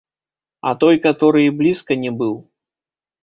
А той каторы і блізка не быў.